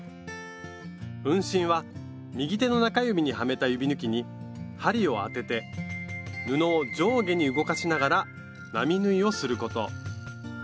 運針は右手の中指にはめた指ぬきに針を当てて布を上下に動かしながら並縫いをすること。